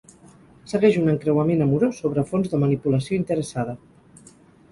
Segueix un encreuament amorós sobre fons de manipulació interessada.